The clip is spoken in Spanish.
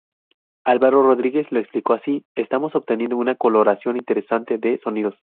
Alvaro Rodríguez, lo explico así: "estamos obteniendo una coloración interesante de sonidos.